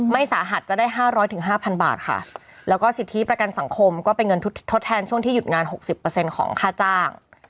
ไม่สาหัสจะได้ห้าร้อยถึงห้าพันบาทค่ะแล้วก็สิทธิประกันสังคมก็เป็นเงินทดทดแทนช่วงที่หยุดงานหกสิบเปอร์เซ็นต์ของค่าจ้าง